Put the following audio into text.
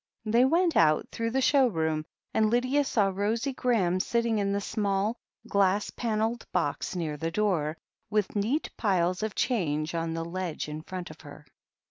They went out through the show room, and Lydia saw Rosie Graham sitting in the small, glass panelled 124 THE HEEL OF ACHILLES box near the door, with neat piles of change on the ledge in front of her.